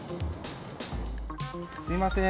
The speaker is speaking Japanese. すいません。